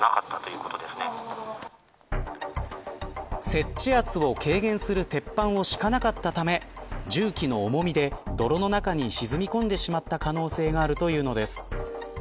接地圧を軽減する鉄板を敷かなかったため重機の重みで泥の中に沈み込んでしまった可能性があるというのです。